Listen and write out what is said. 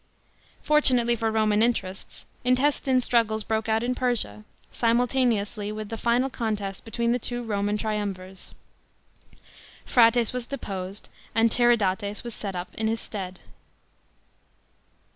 Fortunately for Roman interests, intestine struggles broke out in Persia,* simultaneously with the final contest between the two Roman triumvirs. Phraates was deposed, and Tiridates was set up in his stead.